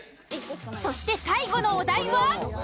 そして最後のお題は。